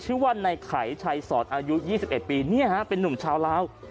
ชื่อว่าในไข่ชายสอดอายุยี่สิบเอ็ดปีเนี่ยฮะเป็นนุ่มชาวลาว